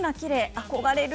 憧れる。